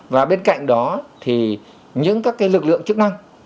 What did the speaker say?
và bên cạnh đó thì những các lực lượng chức năng